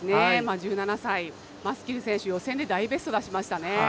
１７歳、マスキル選手予選で大ベスト出しましたね。